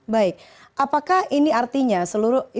baik apakah ini artinya seluruh informasi